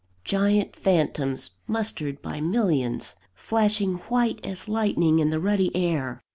Giant phantoms mustered by millions, flashing white as lightning in the ruddy air.